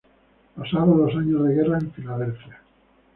Pasaron los años de guerra en Filadelfia.